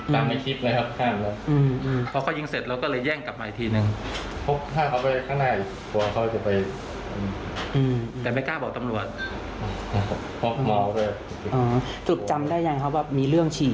แต่ไม่กล้าบอกตำรวจอ๋อจุดจำได้ยังครับว่ามีเรื่องฉี่